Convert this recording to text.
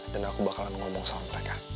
dan aku bakalan ngomong sama mereka